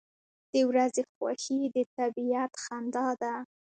• د ورځې خوښي د طبیعت خندا ده.